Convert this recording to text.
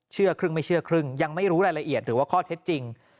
เชื่อครึ่งไม่เชื่อครึ่งยังไม่รู้รายละเอียดหรือว่าข้อเท็จจริง